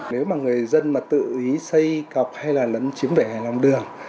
nếu mà người dân mà tự ý xây cọc hay là lấn chiếm vẻ lòng đường